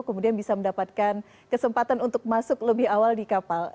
kemudian bisa mendapatkan kesempatan untuk masuk lebih awal di kapal